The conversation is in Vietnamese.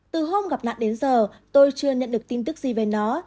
từ hôm gặp nạn đến giờ tôi chưa nhận được tin tức gì về nó